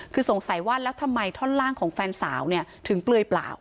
คือสงสัยว่าแล้วทำไมท่อนล่างของแฟนสาวเนี่ยถึงเปลือยเปล่า